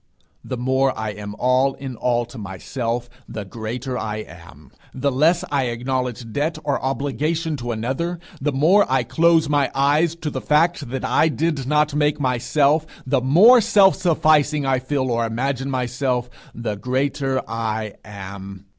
The more I am all in all to myself, the greater I am. The less I acknowledge debt or obligation to another; the more I close my eyes to the fact that I did not make myself; the more self sufficing I feel or imagine myself the greater I am.